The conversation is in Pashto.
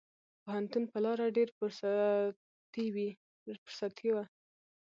پوهنتون په لار ډېره فرصتي وه.